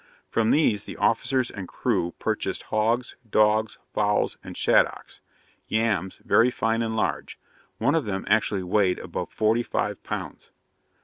From these the officers and crew purchased hogs, dogs, fowls, and shaddocks; yams, very fine and large; one of them actually weighed above forty five pounds.